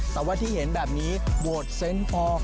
แต่ว่าที่เห็นแบบนี้โบดเซ็นต์ปอล์